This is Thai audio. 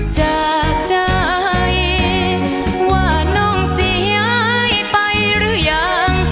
จากใจว่าน้องสิให้ไปรึยัง